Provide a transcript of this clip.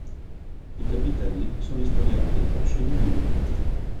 I capitelli sono istoriati con scene bibliche.